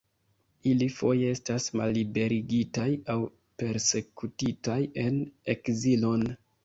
Ili foje estis malliberigitaj aŭ persekutitaj en ekzilon.